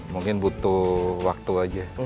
mungkin butuh waktu saja